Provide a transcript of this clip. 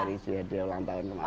dari istri hadiah ulang tahun kemarin